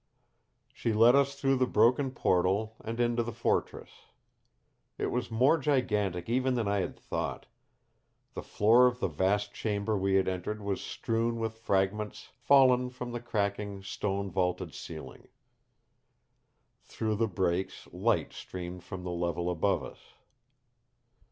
She led us through the broken portal and into the fortress. It was more gigantic even than I had thought. The floor of the vast chamber we had entered was strewn with fragments fallen from the crackling, stone vaulted ceiling. Through the breaks light streamed from the level above us.